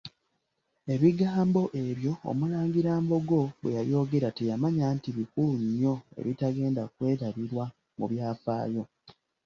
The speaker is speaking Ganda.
Ebigambo ebyo Omulangira Mbogo bwe yabyogera teyamanya nti bikulu nnyo ebitagenda kwerabirwa mu byafaayo.